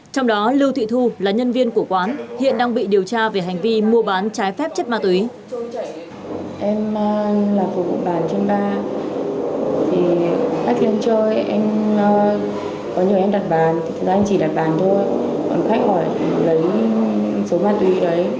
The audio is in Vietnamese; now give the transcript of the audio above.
trong đó lưu thị thu là nhân viên của quán hiện đang bị điều tra về hành vi mua bán trái phép chất ma túy